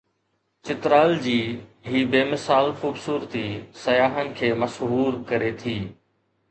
چترال جي هي بي مثال خوبصورتي سياحن کي مسحور ڪري ٿي